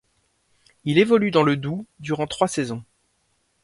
Il évolue dans le Doubs durant trois saisons.